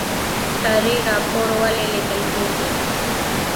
کاري راپور ولې لیکل کیږي؟